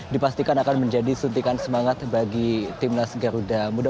dipastikan akan menjadi suntikan semangat bagi timnas garuda muda